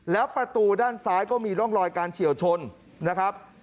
แล้วประตูด้านซ้ายก็มีร่องรอยการเฉียวชนนะครับ